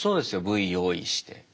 Ｖ用意して。